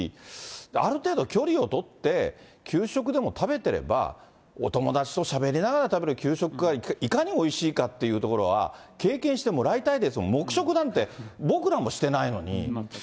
ある程度、距離を取って給食でも食べてれば、お友達としゃべりながら食べる給食が、いかにおいしいかっていうところは、経験してもらいたいですよ、黙食なんて、僕らもしてないのに。